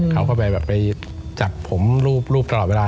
เขาก็ไปจับผมรูปรูปตลอดเวลา